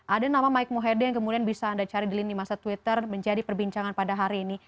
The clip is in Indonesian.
ada nama mike mohede yang kemudian bisa anda cari di lini masa twitter menjadi perbincangan pada hari ini